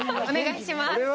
お願いします。